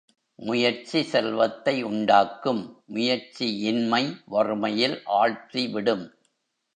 முயற்சி செல்வத்தை உண்டாக்கும், முயற்சி இன்மை வறுமையில் ஆழ்த்திவிடும்.